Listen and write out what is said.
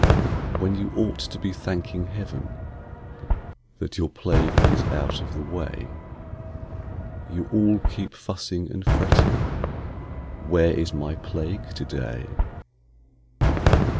When you ought to be thanking Heaven That your plague is out of the way, You all keep fussing and fretting "Where is my Plague to day?"